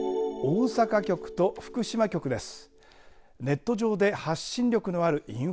大阪局と福島局です。